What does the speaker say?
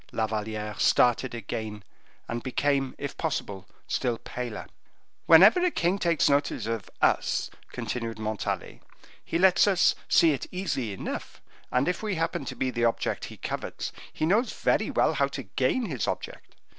La Valliere started again, and became, if possible, still paler. "Whenever a king takes notice of us," continued Montalais, "he lets us see it easily enough, and, if we happen to be the object he covets, he knows very well how to gain his object.